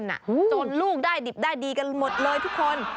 จนลูกได้ดิบได้ดีกันหมดเลยทุกคน